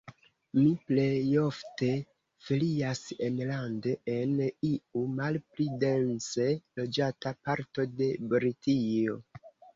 Mi plejofte ferias enlande, en iu malpli dense loĝata parto de Britio.